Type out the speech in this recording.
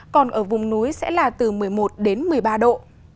còn ở vùng núi sẽ là từ một mươi một đến một mươi ba độ